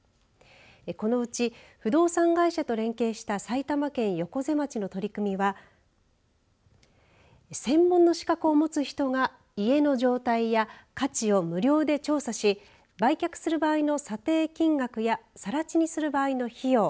このうち不動産会社と連携した埼玉県横瀬町の取り組みは専門の資格を持つ人が家の状態や価値を無料で調査し売却する場合の査定金額やさら地にする場合の費用